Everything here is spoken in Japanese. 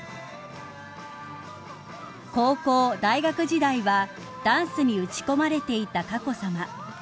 ［高校・大学時代はダンスに打ち込まれていた佳子さま］